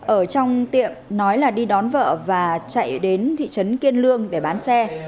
ở trong tiệm nói là đi đón vợ và chạy đến thị trấn kiên lương để bán xe